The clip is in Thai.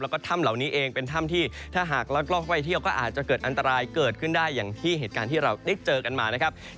แล้วก็ถ้ำเหล่านี้เองเป็นถ้ำที่ถ้าหากลักลอบเข้าไปเที่ยวก็อาจจะเกิดอันตรายเกิดขึ้นได้อย่างที่เหตุการณ์ที่เราได้เจอกันมานะครับ